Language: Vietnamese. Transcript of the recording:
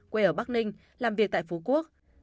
quê ở bắc ninh làm việc tại phú quốc